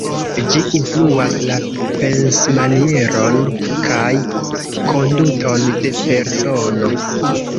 Ĝi influas la pensmanieron kaj konduton de persono.